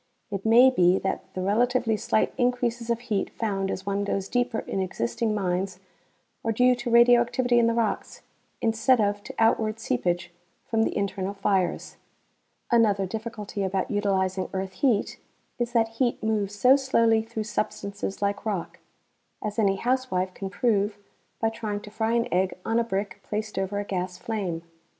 It may be that the relatively slight increases of heat found as one goes deeper in existing mines are due to radioactivity in the rocks instead of to outward seepage from the internal fires. Another difficulty about utilizing earth heat is that heat moves so slowly through substances like rock, as any housewife can prove by trying to fry an egg on a brick placed over a gas flame.